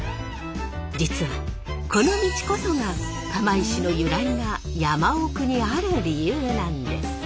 実はこの道こそが釜石の由来が山奥にある理由なんです。